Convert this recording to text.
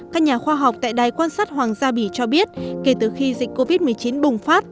các nhà khoa học tại đài quan sát hoàng gia bỉ cho biết kể từ khi dịch covid một mươi chín bùng phát